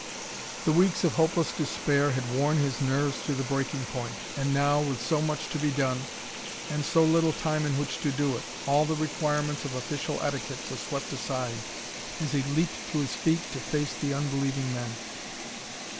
The weeks of hopeless despair had worn his nerves to the breaking point, and now, with so much to be done, and so little time in which to do it, all requirements of official etiquette were swept aside as he leaped to his feet to face the unbelieving men.